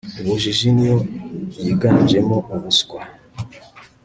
ubujiji ni yo yiganjemo ubuswa